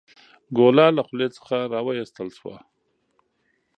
ګوله له خولې څخه راویستل شوه.